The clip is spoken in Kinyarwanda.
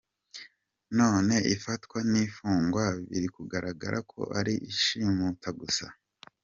None ifatwa n’ifugwa biri kugaragara ko ari ishimuta gusa!